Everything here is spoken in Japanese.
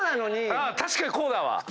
確かにこうだわ。